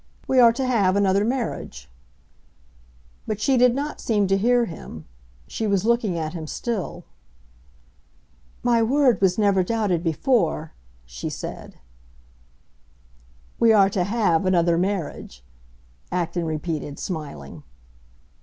"We are to have another marriage." But she seemed not to hear him; she was looking at him still. "My word was never doubted before," she said. "We are to have another marriage," Acton repeated, smiling.